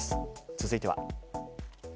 続いては。